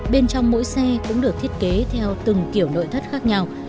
bên trong mỗi xe cũng được thiết kế theo từng kiểu nội thất khác nhau